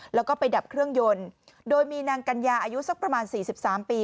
แล้วก็ไปดับเครื่องยนต์โดยมีนางกัญญาอายุสักประมาณ๔๓ปี